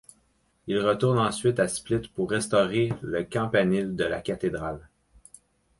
Il retourne ensuite à Split pour restaurer le campanile de la cathédrale.